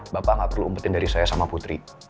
bapak gak perlu umpetin dari saya sama putri